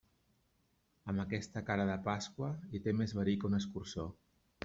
Amb aquesta cara de pasqua, i té més verí que un escurçó.